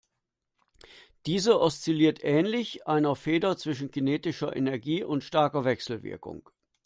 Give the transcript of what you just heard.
Diese oszilliert ähnlich einer Feder zwischen kinetischer Energie und starker Wechselwirkung.